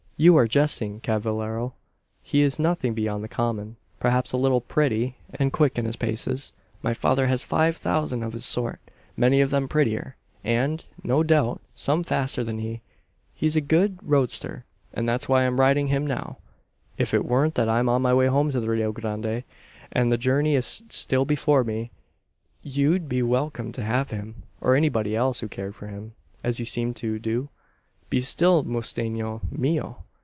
"You are jesting, cavallero. He is nothing beyond the common; perhaps a little pretty, and quick in his paces. My father has five thousand of his sort many of them prettier, and, no doubt, some faster than he. He's a good roadster; and that's why I'm riding him now. If it weren't that I'm on my way home to the Rio Grande, and the journey is still before me, you'd be welcome to have him, or anybody else who cared for him, as you seem to do. Be still, musteno mio!